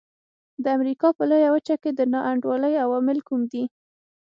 د امریکا لویه وچه کې د نا انډولۍ عوامل کوم دي.